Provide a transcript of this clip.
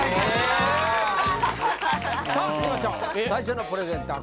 えっさあいきましょう最初のプレゼンター